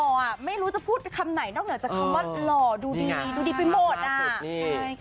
อ่ะไม่รู้จะพูดคำไหนนอกเหนือจากคำว่าหล่อดูดีดูดีไปหมดอ่ะใช่ค่ะ